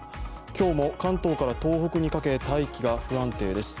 今日も関東から東北にかけ大気が不安定です。